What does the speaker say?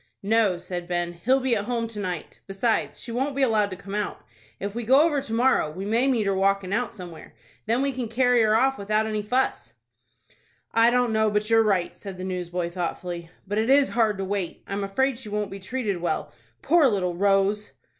"No," said Ben; "he'll be at home to night. Besides, she won't be allowed to come out. If we go over to morrow, we may meet her walkin' out somewhere. Then we can carry her off without any fuss." "I don't know but you're right," said the newsboy, thoughtfully; "but it is hard to wait. I'm afraid she won't be treated well, poor little Rose!"